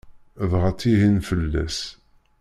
Dɣa ttihin fell-as.